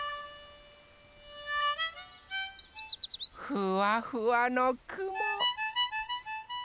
ふわふわのくも。